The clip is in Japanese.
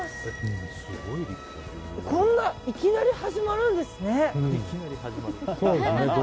いきなり始まるんですね。